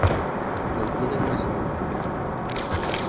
Contiene una semilla.